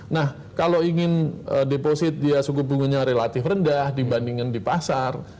nah kalau ingin deposit dia suku bunganya relatif rendah dibandingkan di pasar